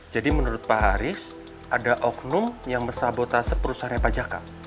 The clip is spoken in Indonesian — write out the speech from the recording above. jadi menurut pak haris ada oknum yang bersabotase perusahaan pajaka